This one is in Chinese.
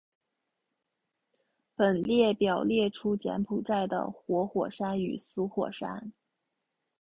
本列表列出柬埔寨的活火山与死火山。